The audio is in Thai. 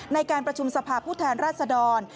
ในการประชุมสภาพผู้แทนราชดร